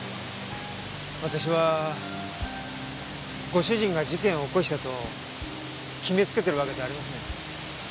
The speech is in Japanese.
私はご主人が事件を起こしたと決めつけているわけではありません。